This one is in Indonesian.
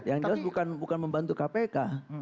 yang jelas bukan membantu kpk